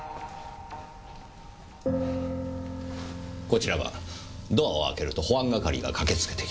こちらはドアを開けると保安係が駆けつけてきます。